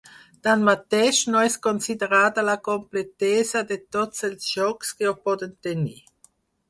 Tanmateix, no és considerada la completesa de tots els jocs que ho poden tenir.